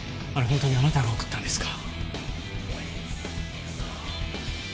ホントにあなたが送ったんですか？